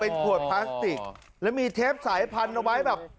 เป็นขวดปลาสติกและมีเทปสายพันนัดเอาไว้แบบ